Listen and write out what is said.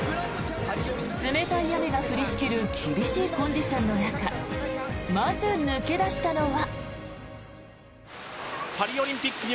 冷たい雨が降りしきる厳しいコンディションの中まず、抜け出したのは。